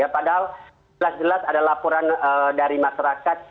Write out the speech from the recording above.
padahal jelas jelas ada laporan dari masyarakat